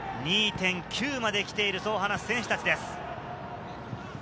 ２．９まで来ている、そう話す選手たちです。